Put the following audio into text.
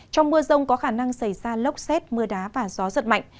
trong mưa rông có khả năng xảy ra lốc xét mưa đá và gió giật mạnh